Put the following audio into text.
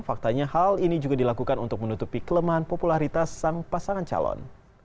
faktanya hal ini juga dilakukan untuk menutupi kelemahan popularitas sang pasangan calon